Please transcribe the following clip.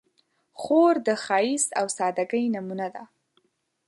خور د ښایست او سادګۍ نمونه ده.